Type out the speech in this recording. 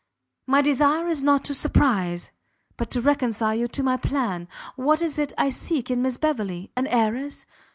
My desire is not to surprize, but to reconcile you to my plan. What is it I seek in Miss Beverley? An Heiress?